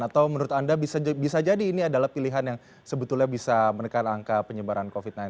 atau menurut anda bisa jadi ini adalah pilihan yang sebetulnya bisa menekan angka penyebaran covid sembilan belas